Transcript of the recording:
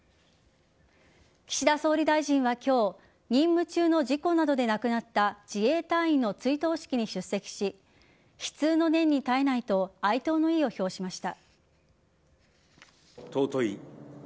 岸田総理大臣は今日任務中の事故などで亡くなった自衛隊員の追悼式に出席し悲痛の念に堪えないと哀悼の意を表しました。